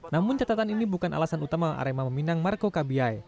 namun catatan ini bukan alasan utama arema meminang marco kabiayai